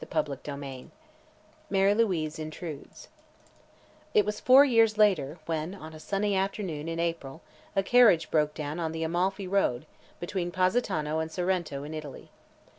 CHAPTER VII MARY LOUISE INTRUDES It was four years later when on a sunny afternoon in April a carriage broke down on the Amalfi Road, between Positano and Sorrento, in Italy.